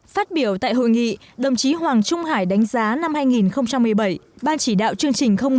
phát biểu tại hội nghị đồng chí hoàng trung hải đánh giá năm hai nghìn một mươi bảy ban chỉ đạo chương trình năm